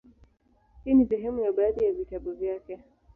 Hii ni sehemu ya baadhi ya vitabu vyake;